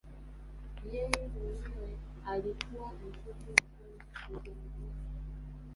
Yeye mwenyewe alikuwa mtoto wa kwanza kuzaliwa